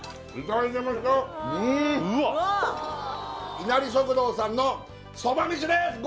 いなり食堂さんのそばめしです！